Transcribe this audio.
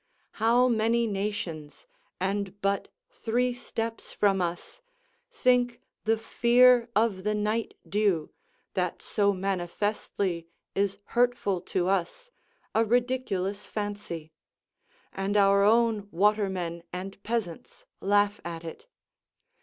How many nations, and but three steps from us, think the fear of the night dew, that so manifestly is hurtful to us, a ridiculous fancy; and our own watermen and peasants laugh at it.